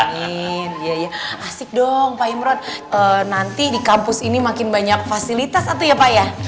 iya ya asik dong pak imron nanti di kampus ini makin banyak fasilitas atau ya pak ya